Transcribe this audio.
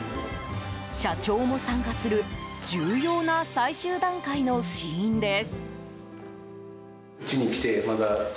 社長も参加する重要な最終段階の試飲です。